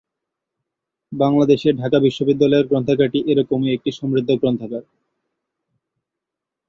বাংলাদেশে ঢাকা বিশ্ববিদ্যালয়ের গ্রন্থাগারটি এরকমই একটি সমৃদ্ধ গ্রন্থাগার।